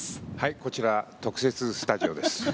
こちら特設スタジオです。